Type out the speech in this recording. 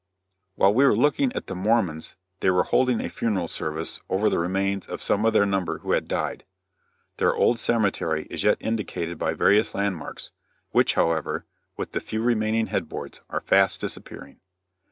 While we were looking at the Mormons they were holding a funeral service over the remains of some of their number who had died. Their old cemetery is yet indicated by various land marks, which, however, with the few remaining head boards, are fast disappearing.